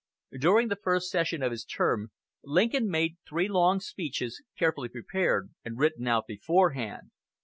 During the first session of his term Lincoln made three long speeches, carefully prepared and written out beforehand.